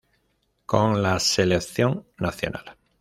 Con la Selección nacional.